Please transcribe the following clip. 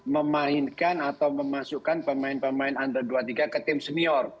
memainkan atau memasukkan pemain pemain under dua puluh tiga ke tim senior